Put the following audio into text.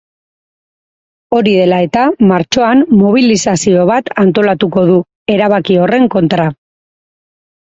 Hori dela eta, martxoan mobilizazio bat antolatuko du, erabaki horren kontra.